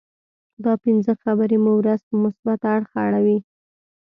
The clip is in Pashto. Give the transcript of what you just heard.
دا پنځه خبرې مو ورځ په مثبت اړخ اړوي.